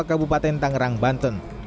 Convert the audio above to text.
kepala kabupaten tangerang banten